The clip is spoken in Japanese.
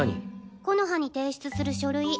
木ノ葉に提出する書類。